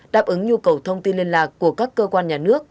đáp ứng nhu cầu thông tin liên lạc của các cơ quan nhà nước